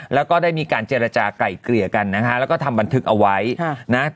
แล้วก็ได้มีการเจรจากลายเกลี่ยกันนะฮะแล้วก็ทำบันทึกเอาไว้นะ